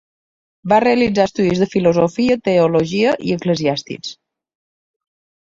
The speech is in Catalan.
Va realitzar estudis de filosofia, teologia i eclesiàstics.